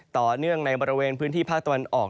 ต่อเนื่องในบริเวณพื้นที่ภาคตะวันออก